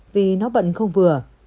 vì nó bận không vừa